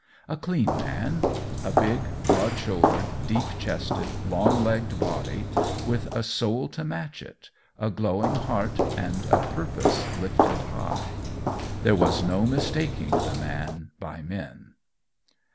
A clean man: a big, broad shouldered, deep chested, long legged body, with a soul to match it a glowing heart and a purpose lifted high. There was no mistaking the man by men.